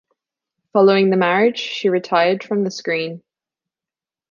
Following the marriage, she retired from the screen.